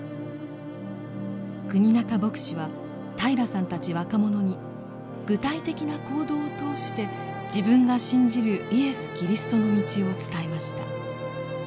国仲牧師は平良さんたち若者に具体的な行動を通して自分が信じるイエス・キリストの道を伝えました。